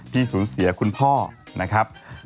ที่สูญเสียคุณพ่อนะครับ